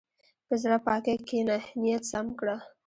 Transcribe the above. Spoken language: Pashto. په زړه پاکۍ کښېنه، نیت سم کړه.